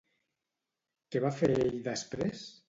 Què va fer ell després?